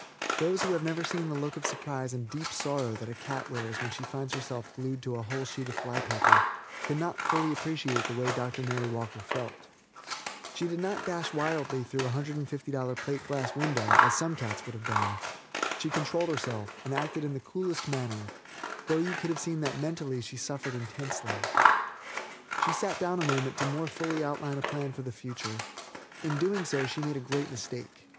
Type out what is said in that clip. Those who have never seen the look of surprise and deep sorrow that a cat wears when she finds herself glued to a whole sheet of fly paper can not fully appreciate the way Dr. Mary Walker felt. She did not dash wildly through a $150 plate glass window, as some cats would have done. She controlled herself and acted in the coolest manner, though you could have seen that mentally she suffered intensely. She sat down a moment to more fully outline a plan for the future. In doing so she made a great mistake.